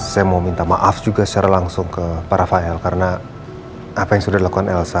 saya mau minta maaf juga secara langsung ke pak rafael karena apa yang sudah dilakukan elsa